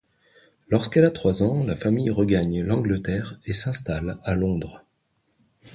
Lorsqu'elle a trois ans, la famille regagne l'Angleterre et s'installe à Londres.